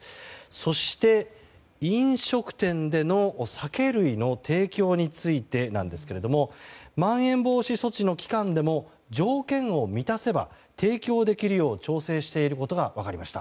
そして飲食店での酒類の提供についてですけどもまん延防止措置の期間でも条件を満たせば提供できるよう調整していることが分かりました。